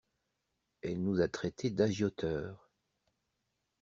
Elle nous a traité d'agioteurs.